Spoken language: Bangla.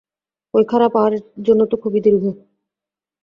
এই খাড়া পাহাড়ের জন্য তো খুবই দীর্ঘ।